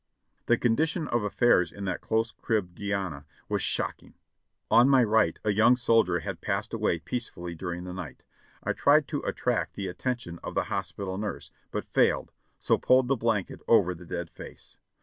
The condition of affairs in that close cribbed Gehenna was shocking. On my right a young soldier had passed away peacefully dur ing the night ; I tried to attract the attention of the hospital nurse, but failed, so pulled the blanket over the dead face.